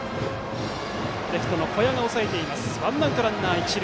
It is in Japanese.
レフトの小矢が押さえてワンアウトランナー、一塁。